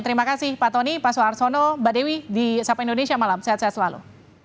terima kasih pak tony pak soeharsono mbak dewi di sapa indonesia malam sehat sehat selalu